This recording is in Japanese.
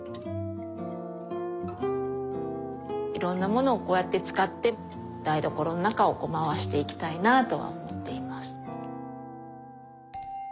いろんなものをこうやって使って台所の中を回していきたいなとは思っています。